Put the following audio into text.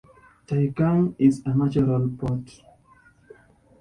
Taicang is a natural port.